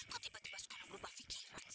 kok tiba tiba sekarang berubah pikiran sih